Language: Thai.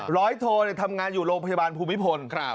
โททำงานอยู่โรงพยาบาลภูมิพล